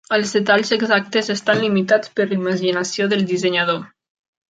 Els detalls exactes estan limitats per la imaginació del dissenyador.